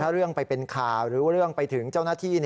ถ้าเรื่องไปเป็นข่าวหรือเรื่องไปถึงเจ้าหน้าที่